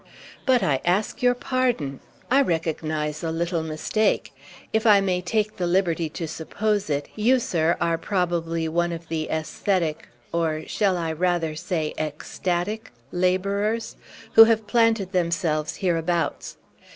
"But I ask your pardon! I recognize a little mistake. If I may take the liberty to suppose it, you, sir, are probably one of the aesthetic or shall I rather say ecstatic? laborers, who have planted themselves hereabouts.